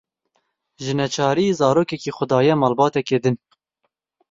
Ji neçarî zarokekî xwe daye malbateke din.